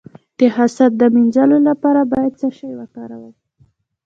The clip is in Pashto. د حسد د مینځلو لپاره باید څه شی وکاروم؟